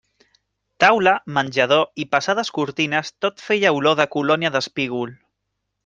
Taula, menjador i pesades cortines, tot feia olor de colònia d'espígol.